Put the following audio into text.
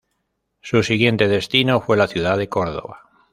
Su siguiente destino fue la ciudad de Córdoba.